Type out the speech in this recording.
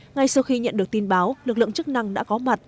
ngay sau khi nhận được tin báo lực lượng chức năng đã có mặt